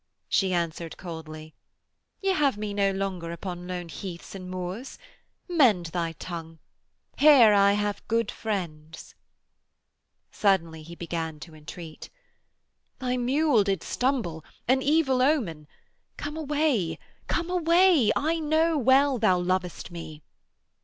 she answered coldly. 'Ye have me no longer upon lone heaths and moors. Mend thy tongue. Here I have good friends.' Suddenly he began to entreat: 'Thy mule did stumble an evil omen. Come away, come away. I know well thou lovest me.'